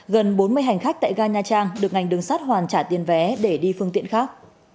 gần bốn mươi hành khách tại ga nha trang được ngành đường sắt hoàn trả tiền vé để đi phương tiện khác